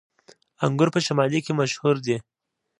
انګور په شمالی کې مشهور دي